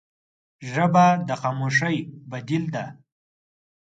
ژبه د خاموشۍ بدیل ده